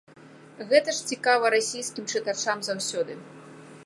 Гэта ж цікава расійскім чытачам заўсёды.